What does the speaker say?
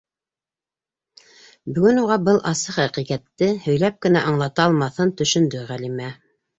Бөгөн уға был асы хәҡиҡәтте һөйләп кенә аңлата алмаҫын төшөндө Ғәлимә.